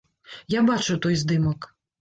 Я бачыў той здымак.